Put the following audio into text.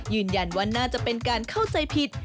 ยืนยันว่าน่าจะเป็นการเข้าใจผิด